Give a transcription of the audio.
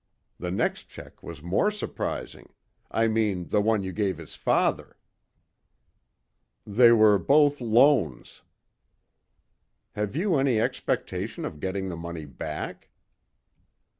The next cheque was more surprising; I mean the one you gave his father." "They were both loans." "Have you any expectation of getting the money back?"